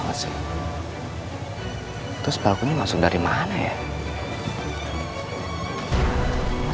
masih terus baliknya masuk dari mana ya